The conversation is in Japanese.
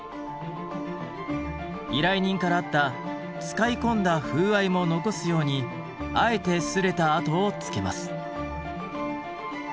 依頼人からあった使い込んだ風合いも残すようにあえて擦れた痕をつけます。